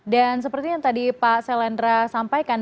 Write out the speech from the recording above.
dan seperti yang tadi pak selendra sampaikan